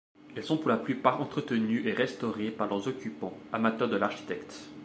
Elles sont pour la plupart entretenues et restaurées par leurs occupants, amateurs de l'architecte.